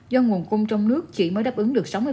do nguồn cung trong nước chỉ mới đáp ứng được